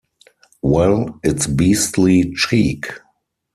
Well, it's beastly cheek.